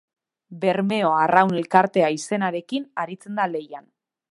Bermeo Arraun Elkartea izenarekin aritzen da lehian.